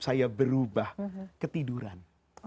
saya berubah ketiduran